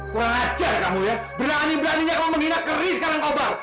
kurang ajar kamu ya berani beraninya kamu menghina keris gk langkobar